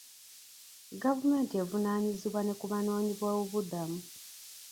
Gavumenti evunaanyizibwa ne ku banoonyiboobubudamu.